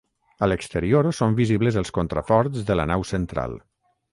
A l'exterior són visibles els contraforts de la nau central.